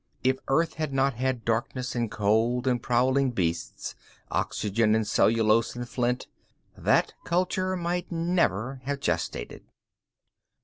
If Earth had not had darkness and cold and prowling beasts, oxygen and cellulose and flint, that culture might never have gestated.